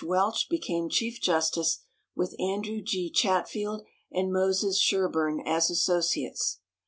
Welch became chief justice, with Andrew G. Chatfield and Moses Sherburne as associates.